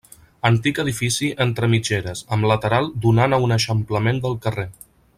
Antic edifici entre mitgeres, amb lateral donant a un eixamplament del carrer.